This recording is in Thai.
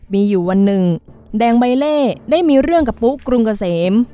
มีอยู่วันหนึ่งแดงใบเล่ได้มีเรื่องกับปุ๊กรุงเกษม